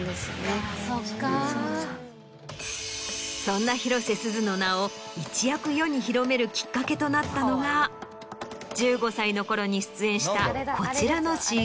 そんな広瀬すずの名を一躍世に広めるきっかけとなったのが１５歳のころに出演したこちらのＣＭ。